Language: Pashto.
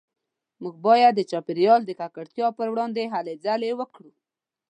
موږ باید د چاپیریال د ککړتیا پروړاندې هلې ځلې وکړو